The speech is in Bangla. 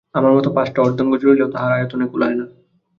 আমার মত পাঁচটা অর্ধাঙ্গ জুড়িলেও তাহার আয়তনে কুলায় না!